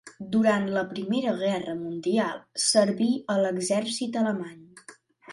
Durant la Primera Guerra Mundial serví a l'exèrcit alemany.